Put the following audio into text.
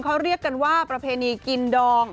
เขาเรียกกันว่าประเพณีกินดอง